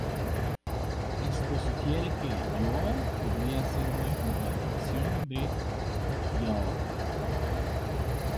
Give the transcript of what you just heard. Esto sugiere que y’all podría ser una contracción de "ya all".